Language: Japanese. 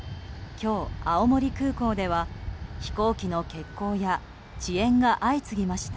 今日、青森空港では飛行機の欠航や遅延が相次ぎました。